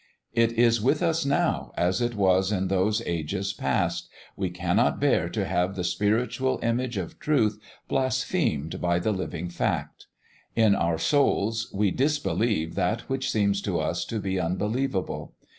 It is with us now as it was in those ages past we cannot bear to have the spiritual image of truth blasphemed by the living fact. In our souls we disbelieve that which seems to us to be unbelievable.